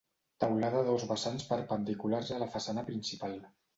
Teulada a dos vessants perpendiculars a la façana principal.